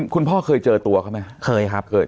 คุณพ่อเคยเจอตัวครับไหมเคยครับ